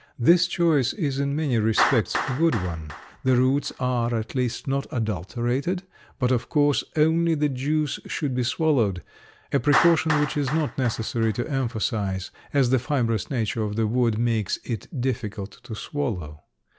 This choice is in many respects a good one; the roots are at least not adulterated, but of course only the juice should be swallowed a precaution which it is not necessary to emphasize as the fibrous nature of the wood makes it difficult to swallow.